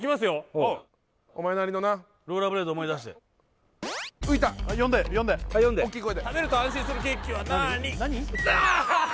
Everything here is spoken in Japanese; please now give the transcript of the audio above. お前なりのなローラーブレード思い出して・浮いた・はい読んでおっきい声で食べると安心するケーキはなーに？